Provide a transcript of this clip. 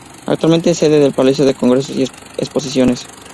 Actualmente es sede del Palacio de Congresos y Exposiciones.